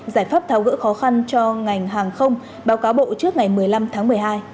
giải pháp tháo gỡ khó khăn cho ngành hàng không báo cáo bộ trước ngày một mươi năm tháng một mươi hai